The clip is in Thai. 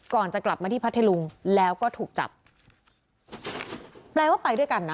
ก่อนจะกลับมาที่พัทธลุงแล้วก็ถูกจับแปลว่าไปด้วยกันนะ